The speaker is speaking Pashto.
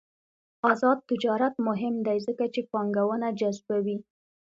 آزاد تجارت مهم دی ځکه چې پانګونه جذبوي.